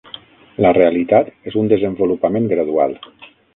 La realitat és un desenvolupament gradual.